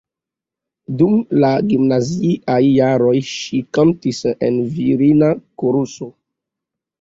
Dum la gimnaziaj jaroj ŝi kantis en virina koruso.